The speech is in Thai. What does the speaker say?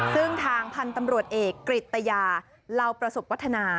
ซึ่งทางพันธุ์ตำรวจเอกกริตยาเหล่าประสบวัฒนา